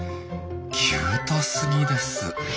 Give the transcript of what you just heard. キュートすぎです！